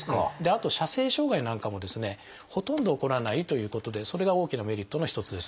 あと射精障害なんかもですねほとんど起こらないということでそれが大きなメリットの一つです。